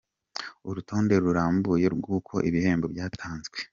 Urutonde rurambuye rw’uko ibihembo byatanzwe :.